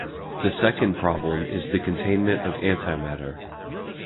The second problem is the containment of antimatter.